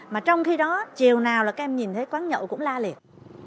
mà trong khi đó chiều nào là các em nhìn thấy quán nhậu cũng la liệt